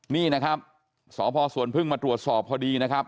นี่นะครับสพสวนพึ่งมาตรวจสอบพอดีนะครับ